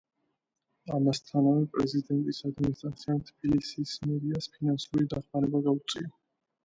ამასთანავე, პრეზიდენტის ადმინისტრაციამ თბილისის მერიას ფინანსური დახმარება გაუწია.